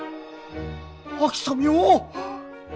あきさみよ。